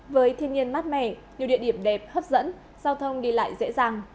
với thiên nhiên mát mẻ nhiều địa điểm đẹp hấp dẫn giao thông đi lại dễ dàng